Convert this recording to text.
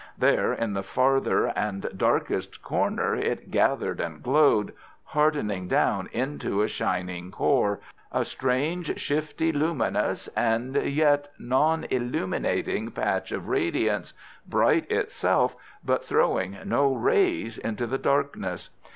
There in the farther and darkest corner it gathered and glowed, hardening down into a shining core—a strange, shifty, luminous, and yet non illuminating patch of radiance, bright itself, but throwing no rays into the darkness.